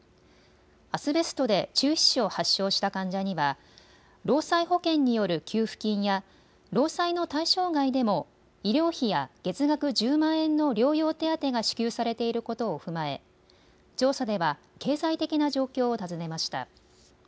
アスベストで中皮腫を発症した患者には労災保険による給付金や労災の対象外でも医療費や月額１０万円の療養手当が支給されていることを踏まえ調査では経済的な状況を尋ねました。